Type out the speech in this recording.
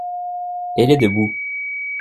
Elle est debout.